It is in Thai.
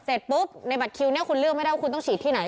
เสร็จปุ๊บในบัตรคิวเนี่ยคุณเลือกไม่ได้ว่าคุณต้องฉีดที่ไหน